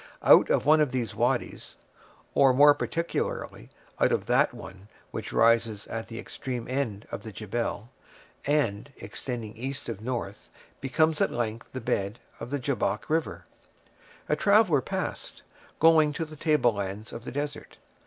Out of one of these wadies—or, more particularly, out of that one which rises at the extreme end of the Jebel, and, extending east of north, becomes at length the bed of the Jabbok River—a traveller passed, going to the table lands of the desert.